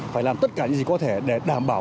phải làm tất cả những gì có thể để đảm bảo